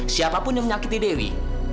siapapun yang menyakiti dewi